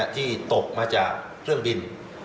ที่ตกมาจากเครื่องบิน